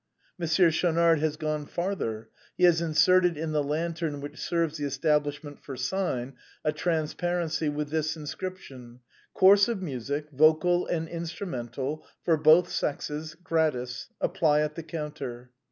Mon sieur Schaunard has gone farther: he has inserted in the lantern which serves the establishment for a sign a trans parency with this inscription: * Course of music, vocal and instrumental, FOR both sexes, gratis. Apply at the counter.'